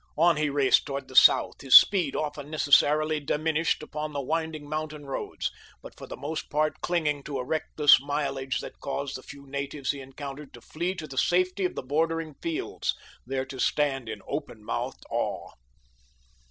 On he raced toward the south, his speed often necessarily diminished upon the winding mountain roads, but for the most part clinging to a reckless mileage that caused the few natives he encountered to flee to the safety of the bordering fields, there to stand in open mouthed awe.